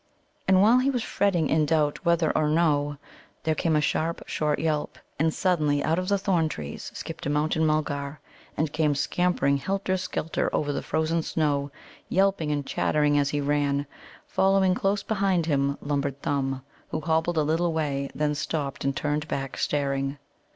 And while he was fretting in doubt whether or no, there came a sharp, short yelp, and suddenly out of the thorn trees skipped a Mountain mulgar, and came scampering helter skelter over the frozen snow, yelping and chattering as he ran. Following close behind him lumbered Thumb, who hobbled a little way, then stopped and turned back, staring.